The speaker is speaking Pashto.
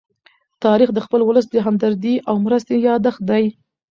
تاریخ د خپل ولس د همدردۍ او مرستې يادښت دی.